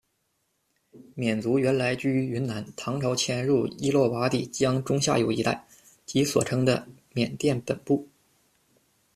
缅族原来居于云南，唐朝迁入伊洛瓦底江中下游一带，即所称的“缅甸本部”。